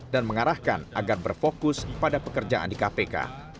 dan mengarahkan agar berfokus pada pekerjaan di kpk